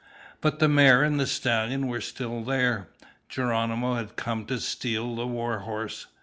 But the mare and the stallion were still there. Geronimo had come to steal the war horse.